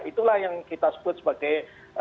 itulah yang kita sebut sebagai